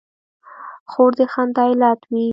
خور د خندا علت وي.